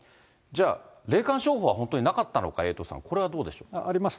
じゃあ霊感商法は本当になかったのか、エイトさん、これはどうでしょう。